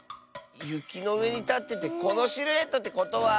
ゆきのうえにたっててこのシルエットってことは。